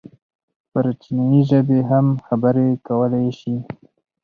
پر چينايي ژبې هم خبرې کولی شي.